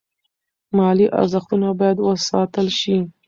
مالي ارزښتونه باید وساتل شي.